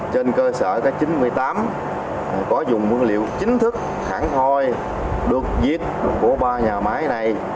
trên cơ sở cái chín mươi tám có dùng nguyên liệu chính thức khẳng khoi được giết của ba nhà máy này